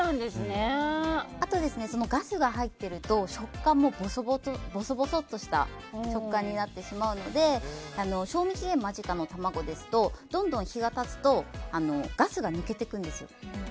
あと、ガスが入っていると食感もぼそぼそとした食感になってしまうので賞味期限間近の卵ですとどんどん日が経つとガスが抜けていくんです。